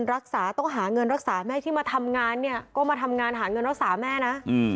รักษาต้องหาเงินรักษาแม่ที่มาทำงานเนี่ยก็มาทำงานหาเงินรักษาแม่นะ